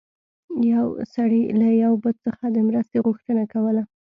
یو سړي له یو بت څخه د مرستې غوښتنه کوله.